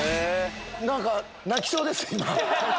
なんか、泣きそうです、今。